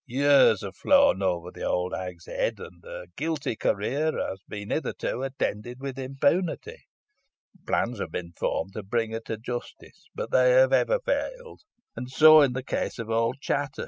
Years have flown over the old hag's head, and her guilty career has been hitherto attended with impunity. Plans have been formed to bring her to justice, but they have ever failed. And so in the case of old Chattox.